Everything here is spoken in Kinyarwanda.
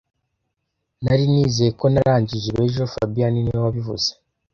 Nari nizeye ko narangije ibi ejo fabien niwe wabivuze